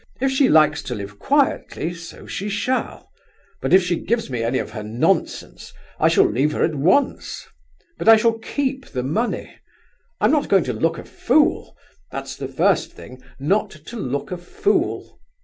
If she likes to live quietly, so she shall; but if she gives me any of her nonsense, I shall leave her at once, but I shall keep the money. I'm not going to look a fool; that's the first thing, not to look a fool."